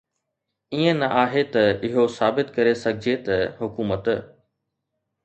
ائين نه آهي ته اهو ثابت ڪري سگهجي ته حڪومت